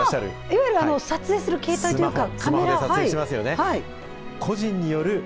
いわゆる撮影する携帯というか。